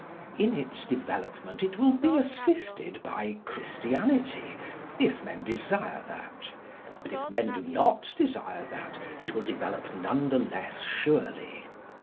In its development it will be assisted by Christianity, if men desire that; but if men do not desire that, it will develop none the less surely.